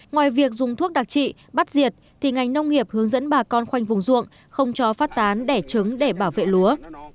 ngoài việc dùng thuốc đặc trị bắt diệt thì ngành nông nghiệp hướng dẫn bà con khoanh vùng ruộng không cho phát tán đẻ trứng để bảo vệ lúa